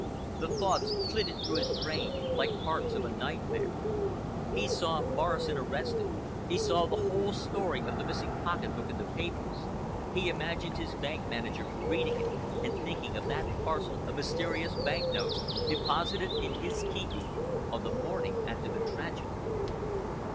The thoughts flitted through his brain like parts of a nightmare. He saw Morrison arrested, he saw the whole story of the missing pocket book in the papers, he imagined his bank manager reading it and thinking of that parcel of mysterious bank notes deposited in his keeping on the morning after the tragedy...